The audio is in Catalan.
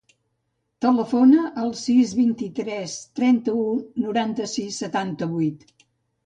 Telefona al sis, vint-i-tres, trenta-u, noranta-sis, setanta-vuit.